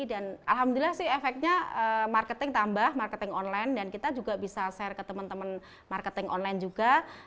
dan alhamdulillah sih efeknya marketing tambah marketing online dan kita juga bisa share ke teman teman marketing online juga